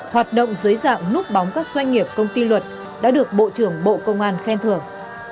hoạt động dưới dạng núp bóng các doanh nghiệp công ty luật đã được bộ trưởng bộ công an khen thưởng